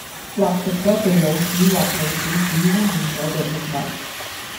或食左被老鼠或老鼠屎污染左既食物